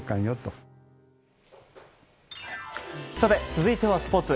続いてはスポーツ。